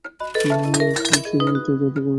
ভেবেছিলামা সে সেটা যাদুঘরে রেখে আসবে।